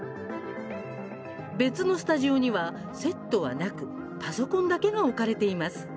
別のスタジオにはセットはなくパソコンだけが置かれています。